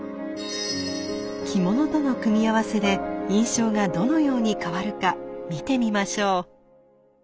着物との組み合わせで印象がどのように変わるか見てみましょう。